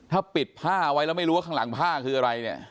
ถ้าปิดผ้าไว้แล้วไม่รู้ว่าข้างหลังผ้าคืออะไรเนี่ย